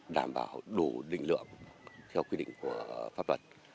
đảm bảo đủ định lượng theo quy định của pháp luật